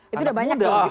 itu udah banyak dong